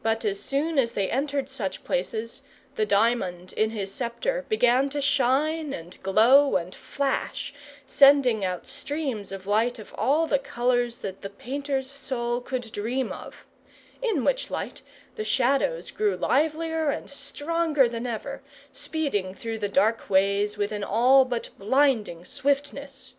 But as soon as they entered such places, the diamond in his sceptre began to shine and glow, and flash, sending out streams of light of all the colours that painter's soul could dream of; in which light the Shadows grew livelier and stronger than ever, speeding through the dark ways with an all but blinding swiftness.